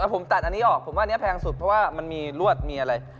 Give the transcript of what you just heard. ผมตัดอันนี้ออกผมว่าอันนี้แพงสุดเพราะว่ามันมีรวดมีอะไร